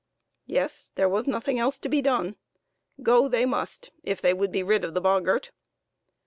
Yes ; there was nothing else to be done. Go they must, if they would be rid of the boggart.